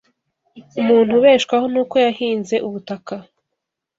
Umuntu ubeshwaho n’uko yahinze ubutaka